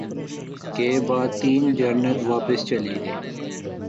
کے بعد تین جرنیل واپس چلے گئے